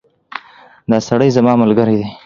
دا سړی زما ملګری دی